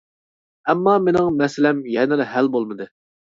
ئەمما، مېنىڭ مەسىلەم يەنىلا ھەل بولمىدى.